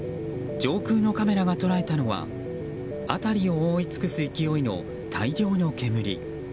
上空のカメラが捉えたのは辺りを覆い尽くす勢いの大量の煙。